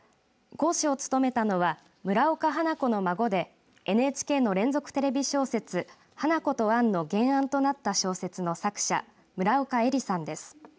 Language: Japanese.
講師を務めたのは村岡花子の孫でＮＨＫの連続テレビ小説花子とアンの原案となった小説の作者村岡恵理さんです。